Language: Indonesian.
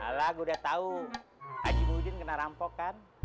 alah gue udah tahu haji muhyiddin kena rampok kan